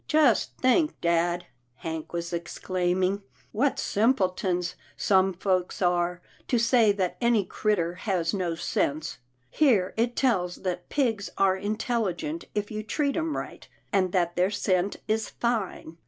" Just think, dad," Hank was exclaiming, " what simpletons some folks are, to say that any critter has no sense. Here it tells that pigs are intelligent if you treat 'em right, and that their scent is fine.